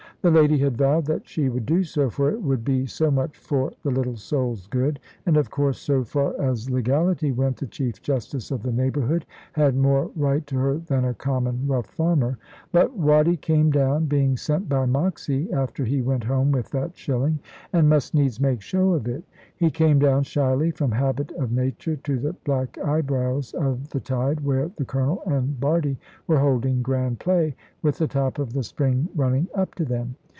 The lady had vowed that she would do so, for it would be so much for the little soul's good; and of course, so far as legality went, the Chief Justice of the neighbourhood had more right to her than a common rough farmer. But Watty came down, being sent by Moxy, after he went home with that shilling, and must needs make show of it. He came down shyly, from habit of nature, to the black eyebrows of the tide, where the Colonel and Bardie were holding grand play, with the top of the spring running up to them.